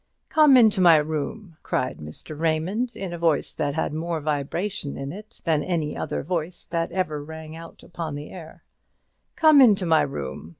"Come into my room," cried Mr. Raymond, in a voice that had more vibration in it than any other voice that ever rang out upon the air; "come into my room.